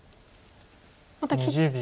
また切って。